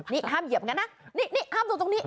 นี่ห้ามเหยียบนะนี่นี่ห้ามตรงนี้